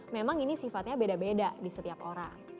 memang ini sifatnya beda beda di setiap orang